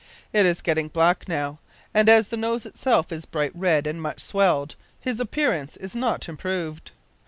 It is getting black now, and as the nose itself is bright red and much swelled, his appearance is not improved.